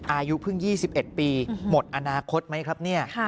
อายุเพิ่ง๒๑ปีหมดอนาคตไหมครับเนี่ย